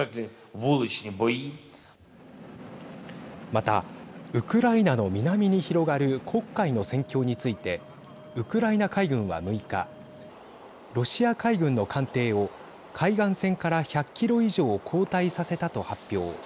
また、ウクライナの南に広がる黒海の戦況についてウクライナ海軍は６日ロシア海軍の艦艇を海岸線から１００キロ以上後退させたと発表。